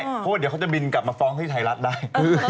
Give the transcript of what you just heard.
เพราะว่าเดี๋ยวเขาจะบินกลับมาฟ้องที่ไทยรัฐได้